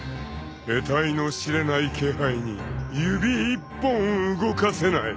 ［えたいの知れない気配に指一本動かせない］